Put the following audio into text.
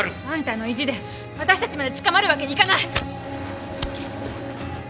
あんたの意地で私たちまで捕まるわけにいかない！